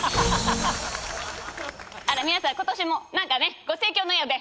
あらっ皆さんことしも何かねご盛況のようで。